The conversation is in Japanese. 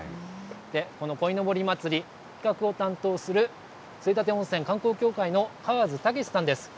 このこいのぼり祭り、観光を担当する杖立温泉観光協会の河津毅さんです。